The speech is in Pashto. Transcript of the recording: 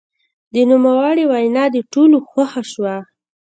د نوموړي وینا د ټولو خوښه شوه.